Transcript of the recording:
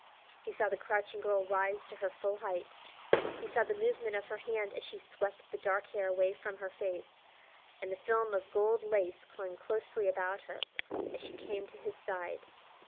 He saw the crouching girl rise to her full height; he saw the movement of her hand as she swept the dark hair away from her face, and the film of gold lace clung closely about her as she came to his side.